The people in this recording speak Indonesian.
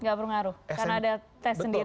gak berpengaruh karena ada tes sendiri